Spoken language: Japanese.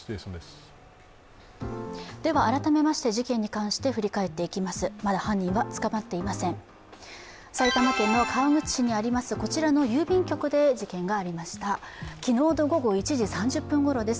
改めまして事件に関して振り返っていきます。